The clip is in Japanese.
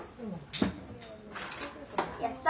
やった！